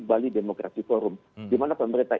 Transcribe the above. bali demografi forum dimana pemerintah